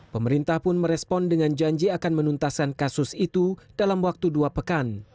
pemerintah pun merespon dengan janji akan menuntaskan kasus itu dalam waktu dua pekan